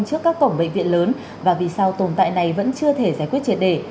và các cộng bệnh viện lớn và vì sao tồn tại này vẫn chưa thể giải quyết triệt đề